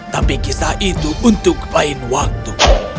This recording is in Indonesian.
tapi kisah itu untuk lain waktu